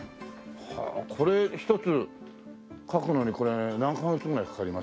これ１つ描くのに何カ月ぐらいかかります？